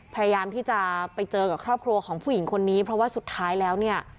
พยายามที่จะไปเจอกับครอบครัวของผู้หญิงคนนี้เพราะว่าสุดท้ายแล้วเนี่ย